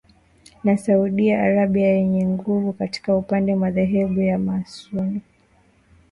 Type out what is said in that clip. na Saudi Arabia yenye nguvu katika upande madhehebu ya wasunni